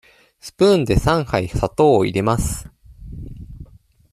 スプーンで三杯砂糖を入れます。